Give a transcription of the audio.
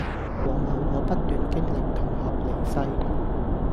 往後我不斷經歷同學離世